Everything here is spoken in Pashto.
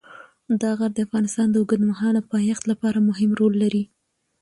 دا غر د افغانستان د اوږدمهاله پایښت لپاره مهم رول لري.